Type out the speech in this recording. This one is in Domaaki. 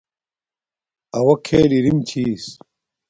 اَوݳ کھݵل اِرِم چھݵس.